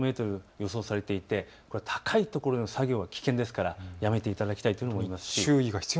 高い所の作業は危険ですからやめていただきたいと思います。